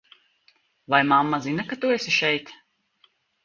Vai mamma zina, ka tu esi šeit?